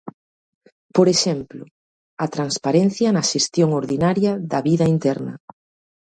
Por exemplo: a transparencia na xestión ordinaria da vida interna.